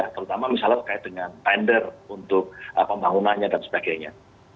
terutama misalnya terkait dengan tender untuk pembangunannya dan sebagainya